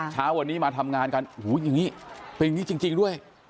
เช้าวันนี้มาทำงานกันโอ้โหอย่างนี้เป็นอย่างนี้จริงด้วย